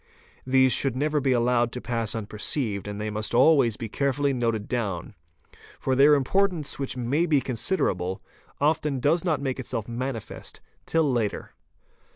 These should never be allowed to pass unper ceived and they must always be carefully noted down, for their importance, which may be considerable, often does not make itself manifest till later.